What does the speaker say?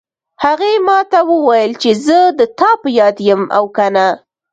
هغې ما ته وویل چې زه د تا په یاد یم او که نه